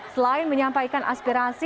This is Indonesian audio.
selain menyampaikan aspirasi